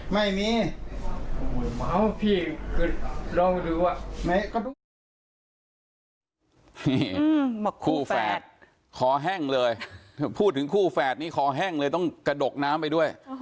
ไม่มีคู่แฝดคอแห้งเลยพูดถึงคู่แฝดนี้คอแห้งเลยต้องกระดกน้ำไปด้วย